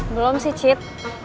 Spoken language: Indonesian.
belum sih cid